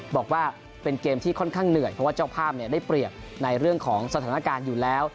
บอกว่าเป็นเกมที่ค่อนข้างเหนื่อยเพราะว่าเจ้าภาพได้เปรียบในเรื่องของสถานการณ์อยู่แล้ว